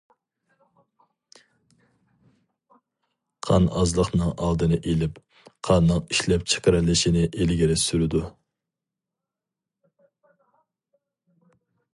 قان ئازلىقنىڭ ئالدىنى ئېلىپ، قاننىڭ ئىشلەپچىقىرىلىشىنى ئىلگىرى سۈرىدۇ.